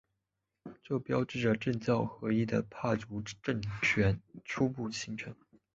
这标志着政教合一的帕竹政权初步形成。